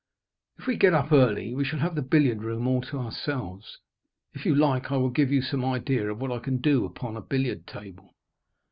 "If we get up early, we shall have the billiard room all to ourselves. If you like, I will give you some idea of what I can do upon a billiard table."